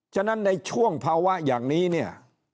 ฉะนั้นในช่วงภาวะอย่างนี้เนี่ย